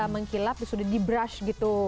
mengkilap sudah di brush gitu